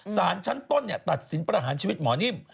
สารชั้นต้นตัดสินประหารชีวิตหมอนิ่ม